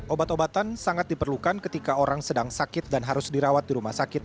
obat obatan sangat diperlukan ketika orang sedang sakit dan harus dirawat di rumah sakit